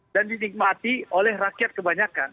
dan dinikmati oleh rakyat kebanyakan